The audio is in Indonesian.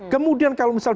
kemudian kalau misal